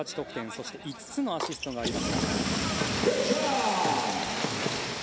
そして５つのアシストがあります。